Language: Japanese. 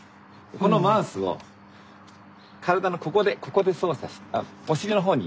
このマウスを体のここでここで操作してお尻の方に。